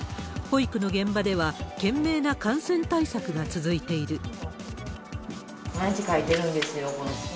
保育の現場では、懸命な感染対策が続いている。